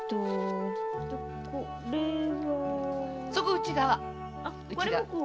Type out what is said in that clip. そこ内側。